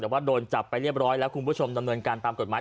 แต่ว่าโดนจับไปเรียบร้อยแล้วคุณผู้ชมดำเนินการตามกฎหมาย